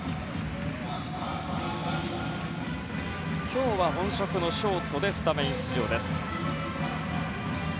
今日は本職のショートでスタメン出場です。